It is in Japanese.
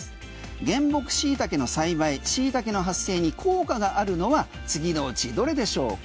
原木シイタケの栽培シイタケの発生に効果があるのは次のうちどれでしょうか？